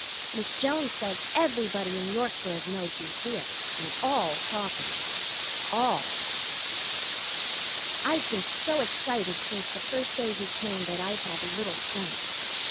Miss Jones says everybody in Yorkburg knows he's here, and all talking. All! I've been so excited since the first day he came that I've had little sense.